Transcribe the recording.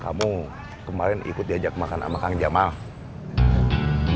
kamu kemarin ikut diajak makan sama kang jamal